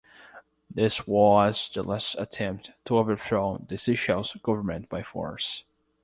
This was the last attempt to overthrow the Seychelles Government by force.